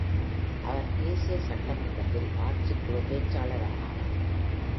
அவர் தேசிய சட்டமன்றத்தில் ஆட்சிக்குழு பேச்சாளரானார்.